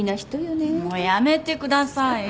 もうやめてください！